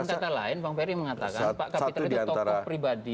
dengan kata lain bang ferry mengatakan pak kapitra itu tokoh pribadi